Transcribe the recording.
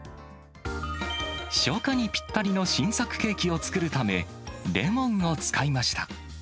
初夏にぴったりの新作ケーキを作るため、レモンを使いました。